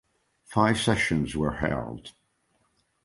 Five sessions were held.